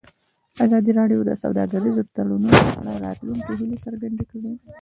ازادي راډیو د سوداګریز تړونونه په اړه د راتلونکي هیلې څرګندې کړې.